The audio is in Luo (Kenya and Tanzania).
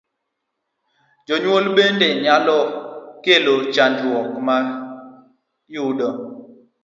Jonyuol bende nyalo kelo chandruok ma yudo